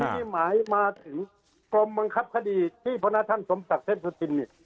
ก็หมายมาถึงกลมบังคับคดีที่พทสมศักย์เทพศรุติีน